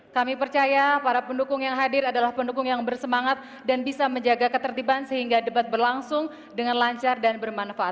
kami percaya para pendukung yang hadir adalah pendukung yang bersemangat dan bisa menjaga ketertiban sehingga debat berlangsung dengan lancar dan bermanfaat